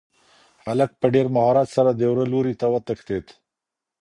هلک په ډېر مهارت سره د وره لوري ته وتښتېد.